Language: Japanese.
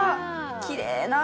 きれいな赤。